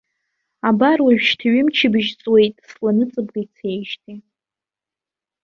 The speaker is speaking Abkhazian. Абар уажәшьҭа ҩымчыбжь ҵуеит сла ныҵаба ицеижьҭеи.